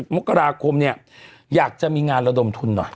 มกราคมเนี่ยอยากจะมีงานระดมทุนหน่อย